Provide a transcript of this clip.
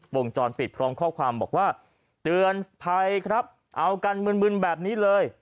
วงจรปิดพร้อมข้อความบอกว่าเตือนภัยครับเอากันมึนมึนแบบนี้เลย